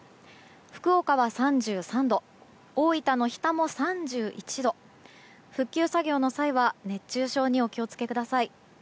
福岡は３３度大分の日田も３１度復旧作業の際は熱中症にお気を付けください。